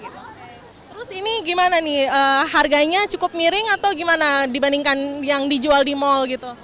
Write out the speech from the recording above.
terus ini gimana nih harganya cukup miring atau gimana dibandingkan yang dijual di mall gitu